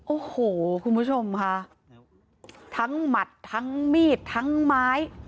โอ้โหคุณผู้ชมค่ะทั้งหมัดทั้งมีดทั้งไม้